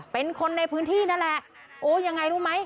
เป็นคนในพื้นที่นั่นแหละโอ้ยังไงรู้ไหม